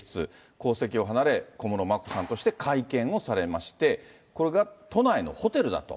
皇籍を離れ、小室眞子さんとして会見をされまして、これが都内のホテルだと。